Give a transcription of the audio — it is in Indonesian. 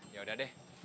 ya udah deh